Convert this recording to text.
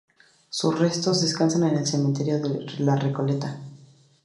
Sus restos descansan en el Cementerio de la Recoleta.